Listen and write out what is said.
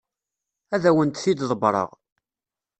Ad awent-t-id-ḍebbreɣ.